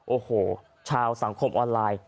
โอ้โหชาวสังคมออนไลน์